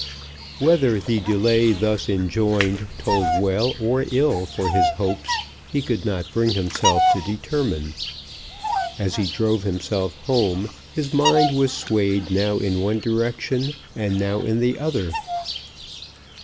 Whether the delay thus enjoined told well or ill for his hopes he could not bring himself to determine. As he drove himself home his mind was swayed now in one direction and now in the other.